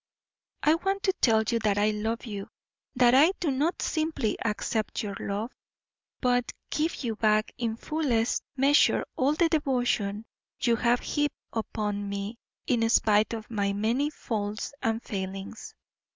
I want to tell you that I love you; that I do not simply accept your love, but give you back in fullest measure all the devotion you have heaped upon me in spite of my many faults and failings.